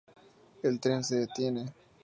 El tren se detiene.